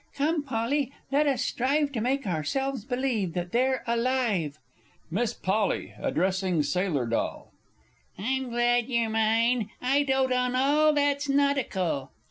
Come, Polly, let us strive To make ourselves believe that they're alive! Miss P. (addressing Sailor D.). I'm glad you're mine. I dote on all that's nautical.